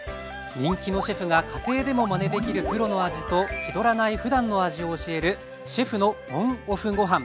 人気のシェフが家庭でもまねできるプロの味と気取らないふだんの味を教える「シェフのＯＮ＆ＯＦＦごはん」。